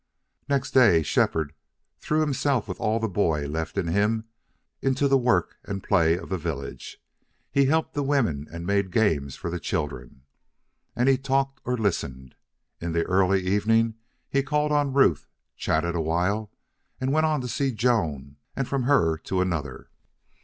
Next day Shefford threw himself with all the boy left in him into the work and play of the village. He helped the women and made games for the children. And he talked or listened. In the early evening he called on Ruth, chatted awhile, and went on to see Joan, and from her to another.